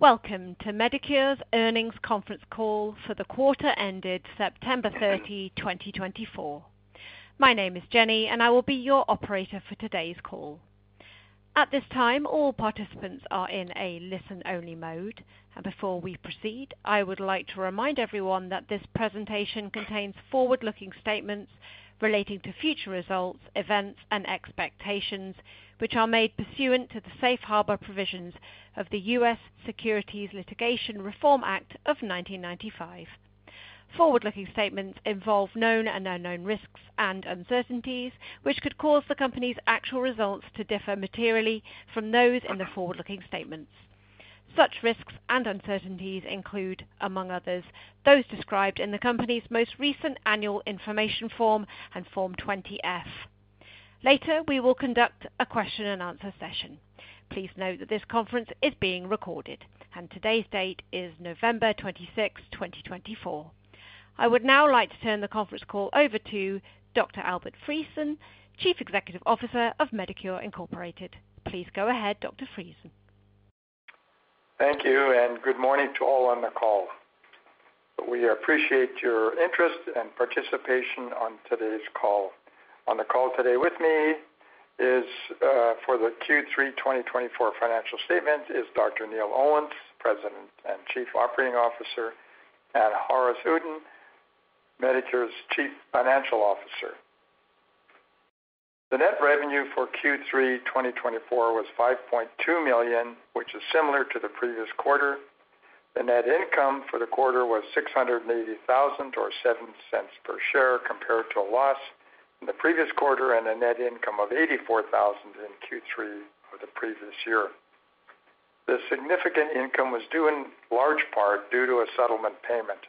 Welcome to Medicure's Earnings Conference Call for the Quarter Ended September 30, 2024. My name is Jenny, and I will be your operator for today's call. At this time, all participants are in a listen-only mode. And before we proceed, I would like to remind everyone that this presentation contains forward-looking statements relating to future results, events, and expectations, which are made pursuant to the Safe Harbor provisions of the U.S. Securities Litigation Reform Act of 1995. Forward-looking statements involve known and unknown risks and uncertainties, which could cause the company's actual results to differ materially from those in the forward-looking statements. Such risks and uncertainties include, among others, those described in the company's most recent Annual Information Form and Form 20-F. Later, we will conduct a question-and-answer session. Please note that this conference is being recorded, and today's date is November 26, 2024. I would now like to turn the conference call over to Dr. Albert Friesen, Chief Executive Officer of Medicure Incorporated. Please go ahead, Dr. Friesen. Thank you, and good morning to all on the call. We appreciate your interest and participation on today's call. On the call today with me, for the Q3 2024 financial statements, is Dr. Neil Owens, President and Chief Operating Officer, and Haaris Uddin, Medicure's Chief Financial Officer. The net revenue for Q3 2024 was $5.2 million, which is similar to the previous quarter. The net income for the quarter was $680,000 or $0.07 per share compared to a loss in the previous quarter and a net income of $84,000 in Q3 of the previous year. The significant income was due in large part to a settlement payment.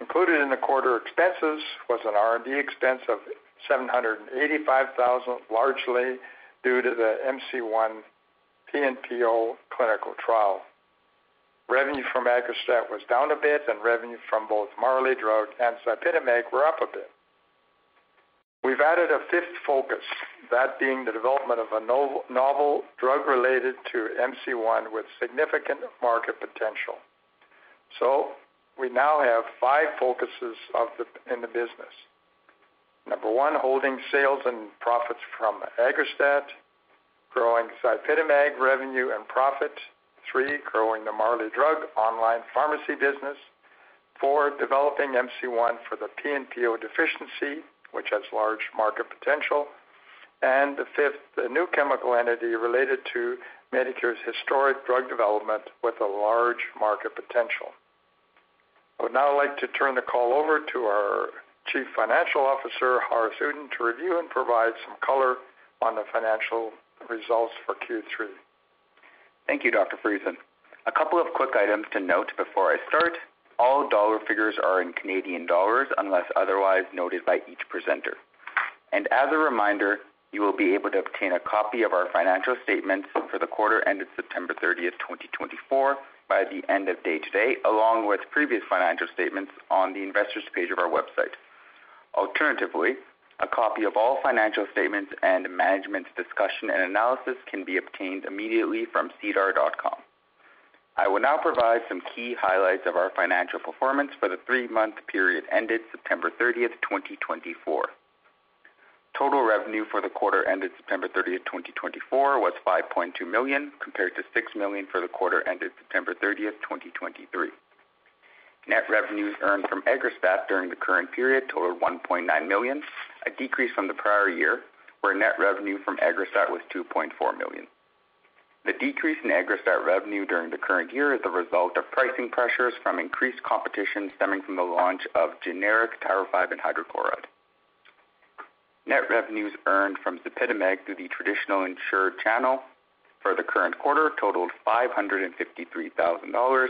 Included in the quarter expenses was an R&D expense of $785,000, largely due to the MC1 PNPO clinical trial. Revenue from AGGRASTAT was down a bit, and revenue from both Marley Drug and ZYPITAMAG were up a bit. We've added a fifth focus, that being the development of a novel drug related to MC1 with significant market potential. So we now have five focuses in the business. Number one, holding sales and profits from AGGRASTAT, growing ZYPITAMAG revenue and profit. Three, growing the Marley Drug online pharmacy business. Four, developing MC1 for the PNPO deficiency, which has large market potential. And the fifth, the new chemical entity related to Medicure's historic drug development with a large market potential. I would now like to turn the call over to our Chief Financial Officer, Haaris Uddin, to review and provide some color on the financial results for Q3. Thank you, Dr. Friesen. A couple of quick items to note before I start. All dollar figures are in Canadian dollars unless otherwise noted by each presenter. And as a reminder, you will be able to obtain a copy of our financial statements for the quarter ended September 30, 2024, by the end of day today, along with previous financial statements on the investors' page of our website. Alternatively, a copy of all financial statements and management's discussion and analysis can be obtained immediately from sedar.com. I will now provide some key highlights of our financial performance for the three-month period ended September 30, 2024. Total revenue for the quarter ended September 30, 2024, was 5.2 million compared to 6 million for the quarter ended September 30, 2023. Net revenues earned from AGGRASTAT during the current period totaled $1.9 million, a decrease from the prior year, where net revenue from AGGRASTAT was $2.4 million. The decrease in AGGRASTAT revenue during the current year is the result of pricing pressures from increased competition stemming from the launch of generic tirofiban hydrochloride. Net revenues earned from ZYPITAMAG through the traditional insured channel for the current quarter totaled $553,000,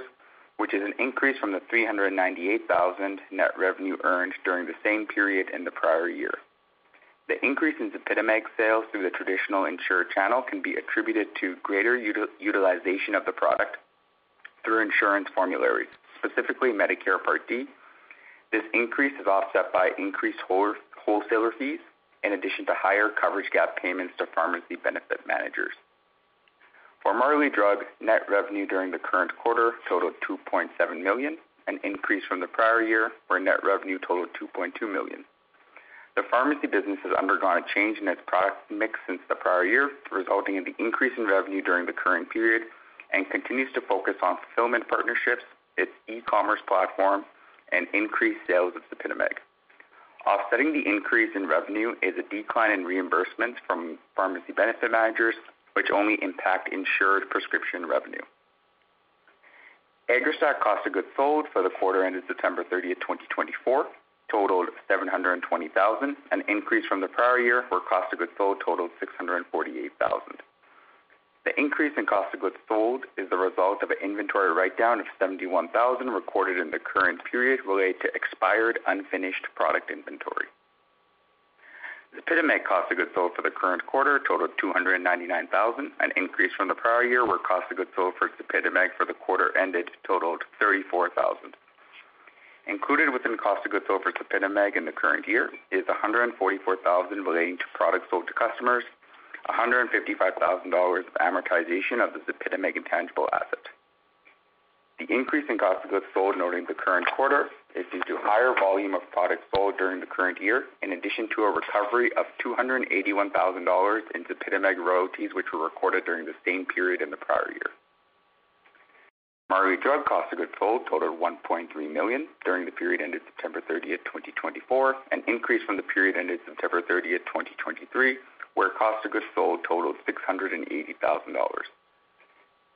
which is an increase from the $398,000 net revenue earned during the same period in the prior year. The increase in ZYPITAMAG sales through the traditional insured channel can be attributed to greater utilization of the product through insurance formularies, specifically Medicare Part D. This increase is offset by increased wholesaler fees, in addition to higher coverage gap payments to pharmacy benefit managers. For Marley Drug, net revenue during the current quarter totaled $2.7 million, an increase from the prior year, where net revenue totaled $2.2 million. The pharmacy business has undergone a change in its product mix since the prior year, resulting in the increase in revenue during the current period, and continues to focus on fulfillment partnerships, its e-commerce platform, and increased sales of ZYPITAMAG. Offsetting the increase in revenue is a decline in reimbursements from pharmacy benefit managers, which only impact insured prescription revenue. AGGRASTAT cost of goods sold for the quarter ended September 30, 2024, totaled $720,000, an increase from the prior year, where cost of goods sold totaled $648,000. The increase in cost of goods sold is the result of an inventory write-down of $71,000 recorded in the current period related to expired unfinished product inventory. ZYPITAMAG cost of goods sold for the current quarter totaled $299,000, an increase from the prior year, where cost of goods sold for ZYPITAMAG for the quarter ended totaled $34,000. Included within cost of goods sold for ZYPITAMAG in the current year is $144,000 relating to products sold to customers, $155,000 of amortization of the ZYPITAMAG intangible asset. The increase in cost of goods sold noted in the current quarter is due to higher volume of products sold during the current year, in addition to a recovery of $281,000 in ZYPITAMAG royalties, which were recorded during the same period in the prior year. Marley Drug cost of goods sold totaled $1.3 million during the period ended September 30, 2024, an increase from the period ended September 30, 2023, where cost of goods sold totaled $680,000.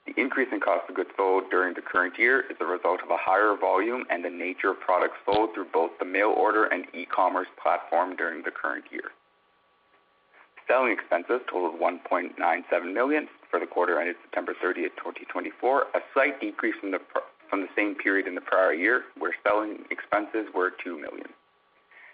The increase in cost of goods sold during the current year is the result of a higher volume and the nature of products sold through both the mail order and e-commerce platform during the current year. Selling expenses totaled $1.97 million for the quarter ended September 30, 2024, a slight decrease from the same period in the prior year, where selling expenses were $2 million.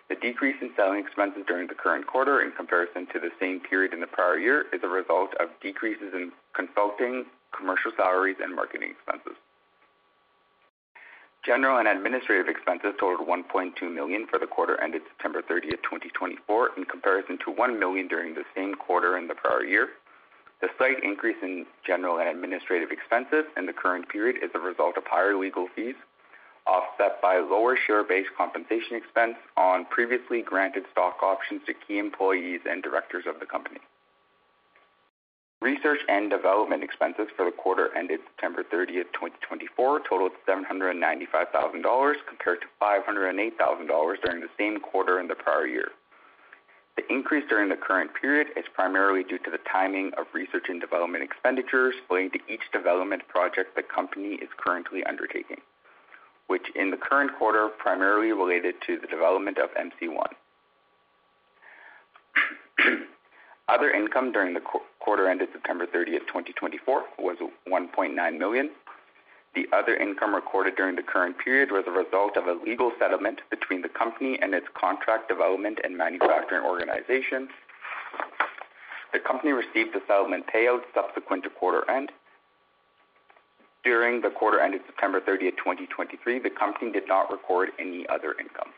The decrease in selling expenses during the current quarter in comparison to the same period in the prior year is a result of decreases in consulting, commercial salaries, and marketing expenses. General and administrative expenses totaled $1.2 million for the quarter ended September 30, 2024, in comparison to $1 million during the same quarter in the prior year. The slight increase in general and administrative expenses in the current period is the result of higher legal fees, offset by lower share-based compensation expense on previously granted stock options to key employees and directors of the company. Research and development expenses for the quarter ended September 30, 2024, totaled $795,000 compared to $508,000 during the same quarter in the prior year. The increase during the current period is primarily due to the timing of research and development expenditures relating to each development project the company is currently undertaking, which in the current quarter primarily related to the development of MC1. Other income during the quarter ended September 30, 2024, was $1.9 million. The other income recorded during the current period was a result of a legal settlement between the company and its contract development and manufacturing organization. The company received the settlement payout subsequent to quarter end. During the quarter ended September 30, 2023, the company did not record any other income.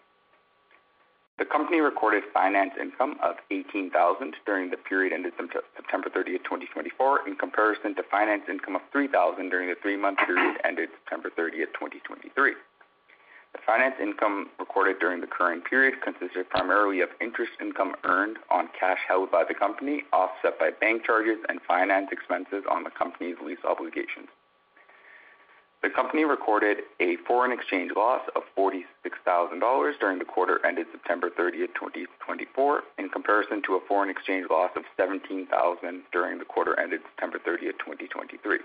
The company recorded finance income of $18,000 during the period ended September 30, 2024, in comparison to finance income of $3,000 during the three-month period ended September 30, 2023. The finance income recorded during the current period consisted primarily of interest income earned on cash held by the company, offset by bank charges and finance expenses on the company's lease obligations. The company recorded a foreign exchange loss of $46,000 during the quarter ended September 30, 2024, in comparison to a foreign exchange loss of $17,000 during the quarter ended September 30, 2023.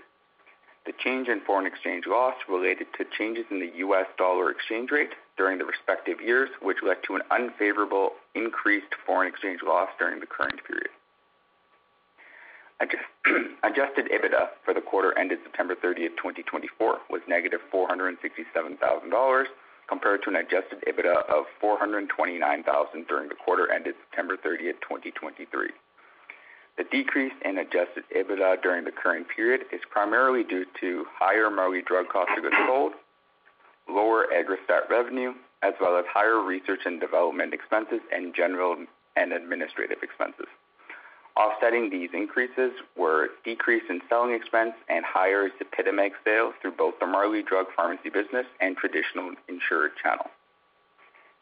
The change in foreign exchange loss related to changes in the U.S. dollar exchange rate during the respective years, which led to an unfavorable increased foreign exchange loss during the current period. Adjusted EBITDA for the quarter ended September 30, 2024, was negative $467,000 compared to an adjusted EBITDA of $429,000 during the quarter ended September 30, 2023. The decrease in adjusted EBITDA during the current period is primarily due to higher Marley Drug cost of goods sold, lower AGGRASTAT revenue, as well as higher research and development expenses and general and administrative expenses. Offsetting these increases were decrease in selling expense and higher ZYPITAMAG sales through both the Marley Drug pharmacy business and traditional insured channel.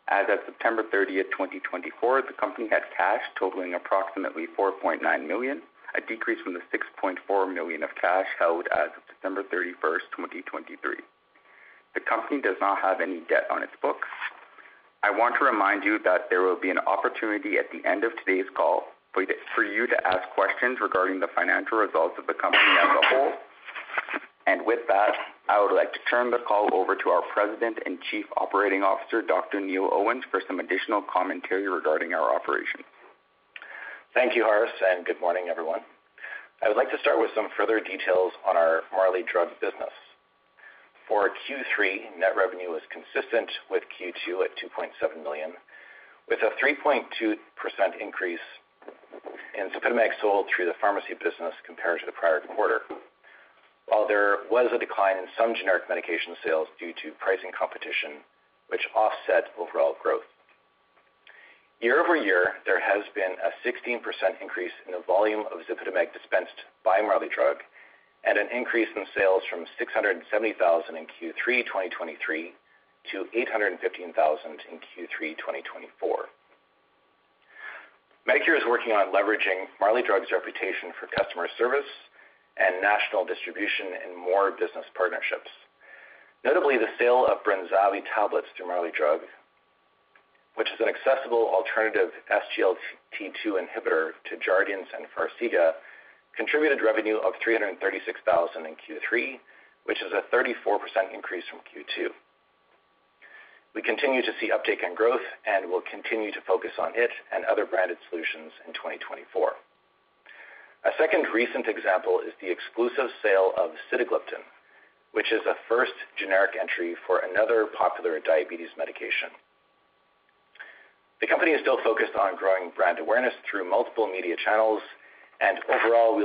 As of September 30, 2024, the company had cash totaling approximately $4.9 million, a decrease from the $6.4 million of cash held as of December 31, 2023. The company does not have any debt on its books. I want to remind you that there will be an opportunity at the end of today's call for you to ask questions regarding the financial results of the company as a whole. And with that, I would like to turn the call over to our President and Chief Operating Officer, Dr. Neil Owens, for some additional commentary regarding our operations. Thank you, Haaris, and good morning, everyone. I would like to start with some further details on our Marley Drug business. For Q3, net revenue was consistent with Q2 at $2.7 million, with a 3.2% increase in ZYPITAMAG sold through the pharmacy business compared to the prior quarter, while there was a decline in some generic medication sales due to pricing competition, which offset overall growth. Year over year, there has been a 16% increase in the volume of ZYPITAMAG dispensed by Marley Drug and an increase in sales from $670,000 in Q3 2023 to $815,000 in Q3 2024. Medicure is working on leveraging Marley Drug's reputation for customer service and national distribution and more business partnerships. Notably, the sale of BRENZAVVY tablets through Marley Drug, which is an accessible alternative SGLT2 inhibitor to JARDIANCE and FARXIGA, contributed revenue of $336,000 in Q3, which is a 34% increase from Q2. We continue to see uptake and growth, and we'll continue to focus on it and other branded solutions in 2024. A second recent example is the exclusive sale of sitagliptin, which is a first generic entry for another popular diabetes medication. The company is still focused on growing brand awareness through multiple media channels, and overall, we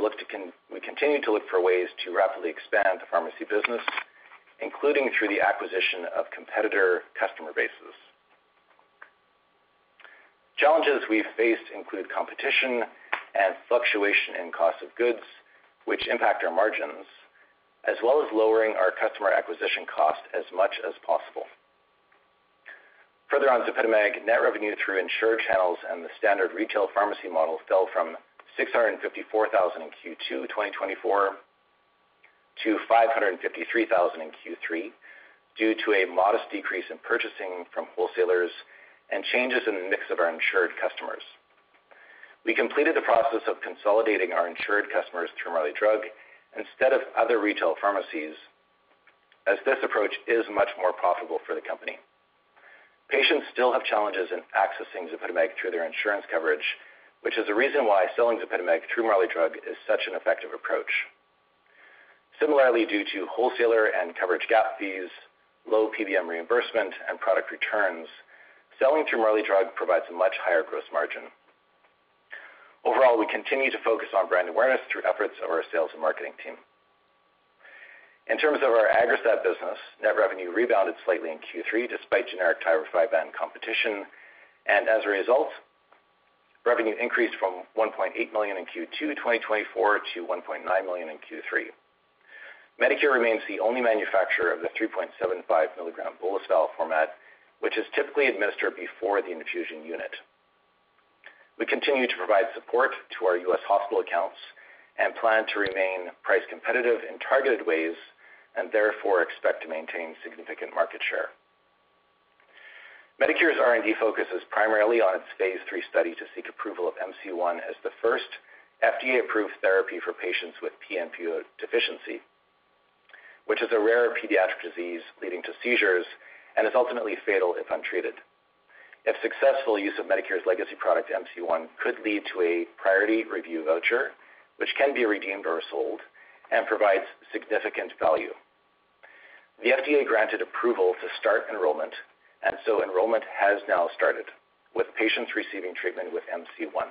continue to look for ways to rapidly expand the pharmacy business, including through the acquisition of competitor customer bases. Challenges we've faced include competition and fluctuation in cost of goods, which impact our margins, as well as lowering our customer acquisition cost as much as possible. Further on, ZYPITAMAG net revenue through insured channels and the standard retail pharmacy model fell from $654,000 in Q2 2024 to $553,000 in Q3 due to a modest decrease in purchasing from wholesalers and changes in the mix of our insured customers. We completed the process of consolidating our insured customers through Marley Drug instead of other retail pharmacies, as this approach is much more profitable for the company. Patients still have challenges in accessing ZYPITAMAG through their insurance coverage, which is a reason why selling ZYPITAMAG through Marley Drug is such an effective approach. Similarly, due to wholesaler and coverage gap fees, low PBM reimbursement, and product returns, selling through Marley Drug provides a much higher gross margin. Overall, we continue to focus on brand awareness through efforts of our sales and marketing team. In terms of our AGGRASTAT business, net revenue rebounded slightly in Q3 despite generic tirofiban and competition, and as a result, revenue increased from $1.8 million in Q2 2024 to $1.9 million in Q3. Medicure remains the only manufacturer of the 3.75 milligram bolus vial format, which is typically administered before the infusion unit. We continue to provide support to our U.S. hospital accounts and plan to remain price competitive in targeted ways and therefore expect to maintain significant market share. Medicure's R&D focus is primarily on its phase 3 study to seek approval of MC1 as the first FDA-approved therapy for patients with PNPO deficiency, which is a rare pediatric disease leading to seizures and is ultimately fatal if untreated. If successful, use of Medicure's legacy product MC1 could lead to a priority review voucher, which can be redeemed or sold and provides significant value. The FDA granted approval to start enrollment, and so enrollment has now started, with patients receiving treatment with MC1.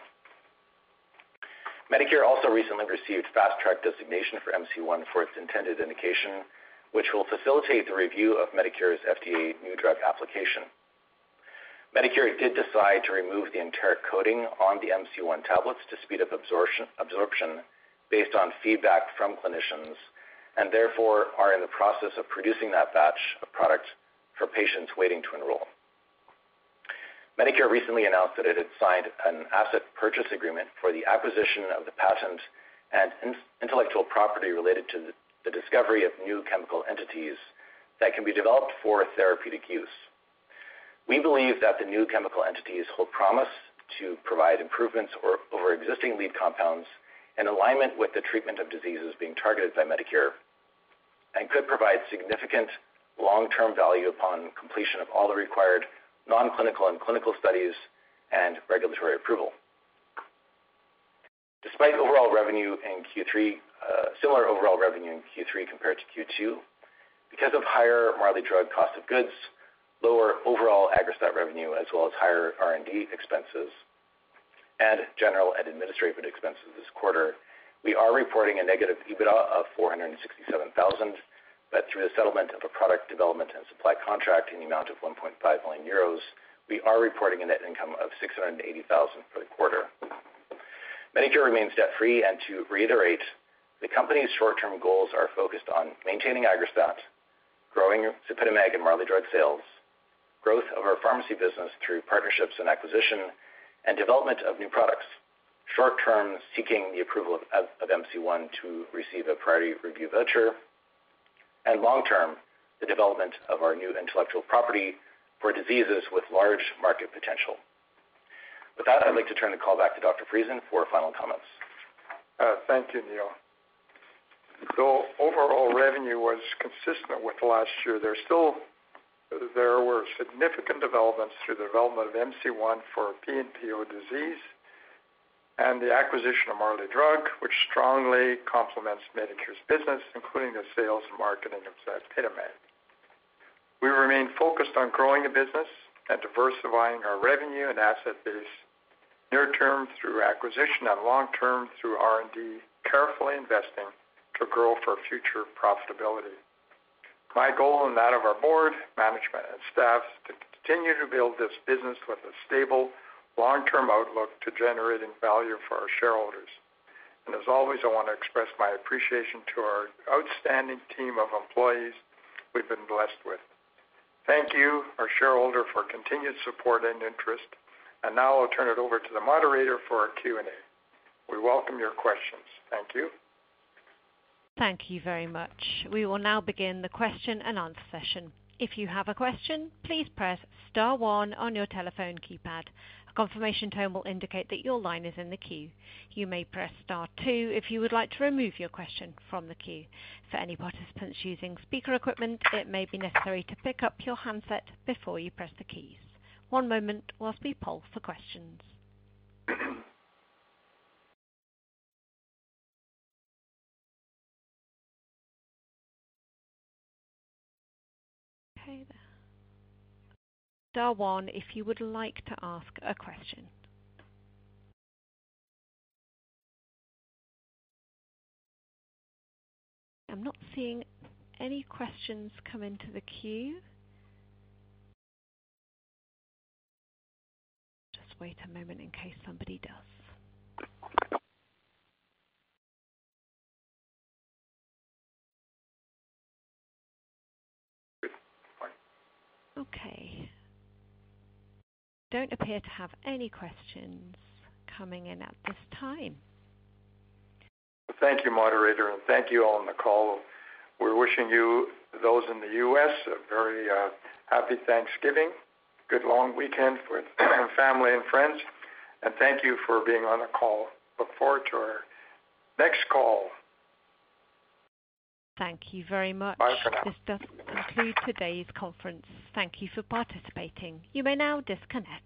Medicure also recently received fast track designation for MC1 for its intended indication, which will facilitate the review of Medicure's FDA new drug application. Medicure did decide to remove the enteric coating on the MC1 tablets to speed up absorption based on feedback from clinicians and therefore are in the process of producing that batch of product for patients waiting to enroll. Medicure recently announced that it had signed an asset purchase agreement for the acquisition of the patent and intellectual property related to the discovery of New Chemical Entities that can be developed for therapeutic use. We believe that the New Chemical Entities hold promise to provide improvements over existing lead compounds in alignment with the treatment of diseases being targeted by Medicure and could provide significant long-term value upon completion of all the required non-clinical and clinical studies and regulatory approval. Despite similar overall revenue in Q3 compared to Q2, because of higher Marley Drug cost of goods, lower overall AGGRASTAT revenue, as well as higher R&D expenses and general and administrative expenses this quarter, we are reporting a negative EBITDA of $467,000, but through the settlement of a product development and supply contract in the amount of 1.5 million euros, we are reporting a net income of $680,000 for the quarter. Medicure remains debt-free, and to reiterate, the company's short-term goals are focused on maintaining AGGRASTAT, growing ZYPITAMAG and Marley Drug sales, growth of our pharmacy business through partnerships and acquisition, and development of new products. Short-term, seeking the approval of MC1 to receive a priority review voucher, and long-term, the development of our new intellectual property for diseases with large market potential. With that, I'd like to turn the call back to Dr. Friesen for final comments. Thank you, Neil. The overall revenue was consistent with last year. There were significant developments through the development of MC1 for PNPO disease and the acquisition of Marley Drug, which strongly complements Medicure's business, including the sales and marketing of ZYPITAMAG. We remain focused on growing the business and diversifying our revenue and asset base near-term through acquisition and long-term through R&D, carefully investing to grow for future profitability. My goal and that of our board, management, and staff is to continue to build this business with a stable long-term outlook to generating value for our shareholders. And as always, I want to express my appreciation to our outstanding team of employees we've been blessed with. Thank you, our shareholder, for continued support and interest. And now I'll turn it over to the moderator for our Q&A. We welcome your questions. Thank you. Thank you very much. We will now begin the question and answer session. If you have a question, please press Star 1 on your telephone keypad. A confirmation tone will indicate that your line is in the queue. You may press star two if you would like to remove your question from the queue. For any participants using speaker equipment, it may be necessary to pick up your handset before you press the keys. One moment while we poll for questions. Okay. star one if you would like to ask a question. I'm not seeing any questions come into the queue. Just wait a moment in case somebody does. Okay. It doesn't appear to have any questions coming in at this time. Thank you, moderator, and thank you all on the call. We're wishing you, those in the U.S., a very happy Thanksgiving, good long weekend for family and friends, and thank you for being on the call. Look forward to our next call. Thank you very much. Bye for now. This does conclude today's conference. Thank you for participating. You may now disconnect.